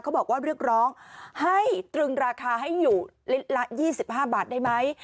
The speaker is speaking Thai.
บอกว่าเรียกร้องให้ตรึงราคาให้อยู่ลิตรละ๒๕บาทได้ไหม